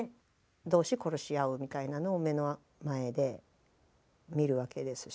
同士殺し合うみたいなのを目の前で見るわけですし。